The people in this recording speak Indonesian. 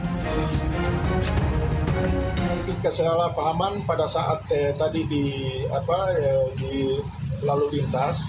mungkin kesalahpahaman pada saat tadi di lalu lintas